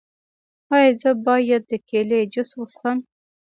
ایا زه باید د کیلي جوس وڅښم؟